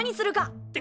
って